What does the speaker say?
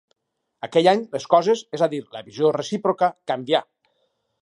Aquell any les coses, és a dir la visió recíproca, canvià.